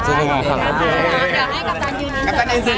สู้ครับ